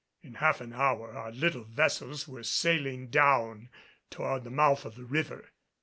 In half an hour our little vessels were sailing down toward the mouth of the river.